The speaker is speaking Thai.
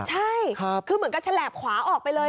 ใช่คือเหมือนกับฉลาบขวาออกไปเลย